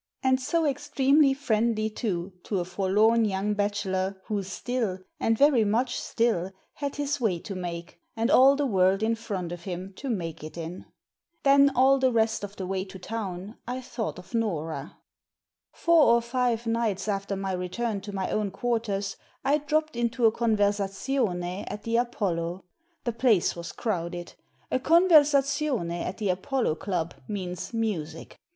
And so extremely friendly, too, to a forlorn young bachelor, who still— and very much still — had his way to make, and all the world in front of him to make it in. Then, all the rest of the way to town, I thought of Nora. Four or five nights after my return to my own quarters I dropped into a conversazione at the Apollo. The place was crowded. A conversazione at the Apollo Club means music.